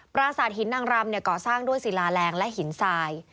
ปราศาสตหินนางรำก่อสร้างด้วยศิลาแรงและหินทราย